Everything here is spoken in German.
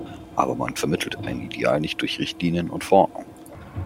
Aber man vermittelt ein Ideal nicht durch Richtlinien und Verordnungen.